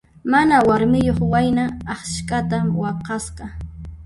Mana warmiyuq wayna askhata waqasqa.